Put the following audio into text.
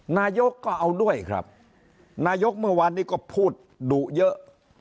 นายกก็เอาด้วยครับนายกเมื่อวานนี้ก็พูดดุเยอะ